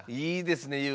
いいですね